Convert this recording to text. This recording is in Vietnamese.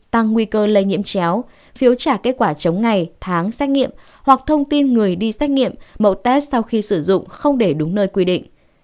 tăng nguy cơ lây nhiễm chéo phiếu trả kết quả chống ngày tháng xét nghiệm hoặc thông tin người đi xét nghiệm mẫu test sau khi sử dụng không để đúng nơi quy định